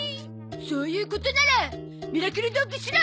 そういうことならミラクルドッグ・シロ！